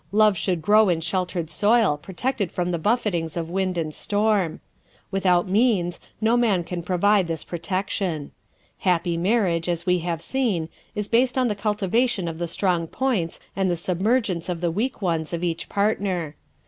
love should grow in sheltered soil, protected from the buffetings of wind and storm. Without means no man can provide this protection. Happy marriage, as we have seen, is based on the cultivation of the strong points and the submergence of the weak ones of each partner.